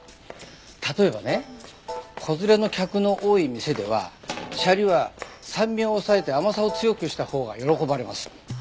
例えばね子連れの客の多い店ではシャリは酸味を抑えて甘さを強くしたほうが喜ばれます。